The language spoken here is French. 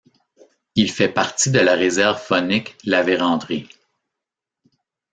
Il fait partie de la réserve faunique La Vérendrye.